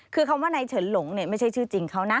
คือคำว่าในเฉินหลงไม่ใช่ชื่อจริงเขานะ